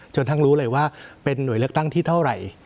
ทั้งรู้เลยว่าเป็นหน่วยเลือกตั้งที่เท่าไหร่